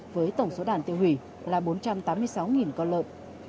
với tổng số đàn tiêu hủy là bốn trăm tám mươi sáu con lợn